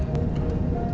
mau masuk so helps ya